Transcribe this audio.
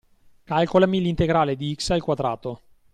Calcolami l'integrale di x al quadrato.